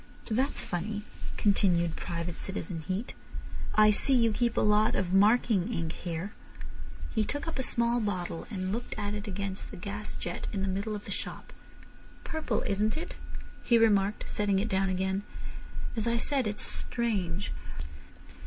"That's funny," continued Private Citizen Heat. "I see you keep a lot of marking ink here—" He took up a small bottle, and looked at it against the gas jet in the middle of the shop. "Purple—isn't it?" he remarked, setting it down again. "As I said, it's strange.